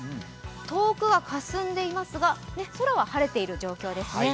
遠くはかすんでいますが、空は晴れている状況ですね。